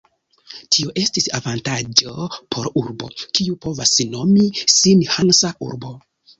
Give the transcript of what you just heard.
Tio estis avantaĝo por urbo, kiu povas nomi sin hansa urbo.